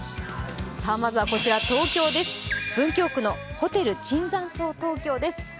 こちら東京です、文京区のホテル椿山荘東京です。